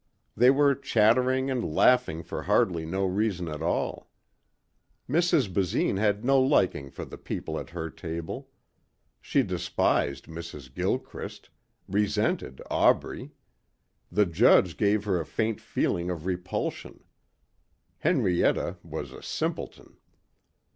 They were chattering and laughing for hardly no reason at all. Mrs. Basine had no liking for the people at her table. She despised Mrs. Gilchrist, resented Aubrey. The judge gave her a faint feeling of repulsion. Henrietta was a simpleton.